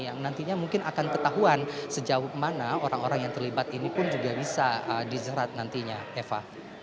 yang nantinya mungkin akan ketahuan sejauh mana orang orang yang terlibat ini pun juga bisa dijerat nantinya eva